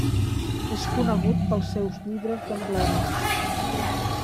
És conegut pels seus llibres d'emblemes.